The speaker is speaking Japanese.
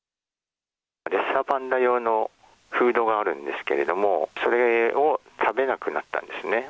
レッサーパンダ用のフードがあるんですけれども、それを食べなくなったんですね。